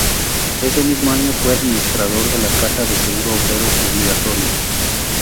Ese mismo año fue administrador de la Caja de Seguro Obrero Obligatorio.